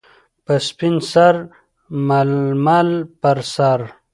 - په سپین سر ململ پر سر.